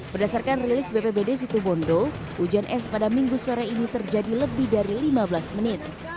berdasarkan rilis bpbd situbondo hujan es pada minggu sore ini terjadi lebih dari lima belas menit